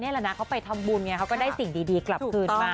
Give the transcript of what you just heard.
แหละนะเขาไปทำบุญไงเขาก็ได้สิ่งดีกลับคืนมา